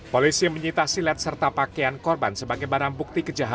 polisi menyitasi led serta pakaian korban sebagai barang bukti kejiwaan